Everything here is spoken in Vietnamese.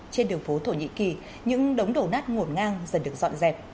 trên đường phố thổ nhĩ kỳ những đống đổ nát ngổn ngang dần được dọn dẹp